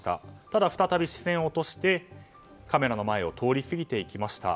ただ、再び視線を落としてカメラの前を通り過ぎました。